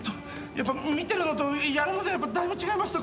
やっぱ見てるのとやるのではだいぶ違いました。